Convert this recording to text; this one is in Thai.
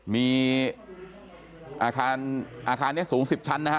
มีอาคารนี้สูง๑๐ชั้นนะฮะ